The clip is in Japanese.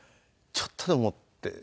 ちょっとでもって。